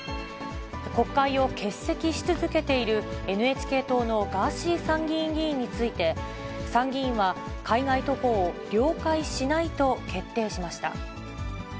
国会を欠席し続けているＮＨＫ党のガーシー参議院議員について、参議院は海外渡航を了解しないと決定しました。